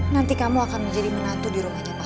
nanti kamu akan menjadi menantu di rumah jepang